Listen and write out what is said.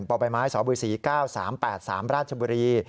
บ่ายไม้สศ๙๓๘๓ราชบุรี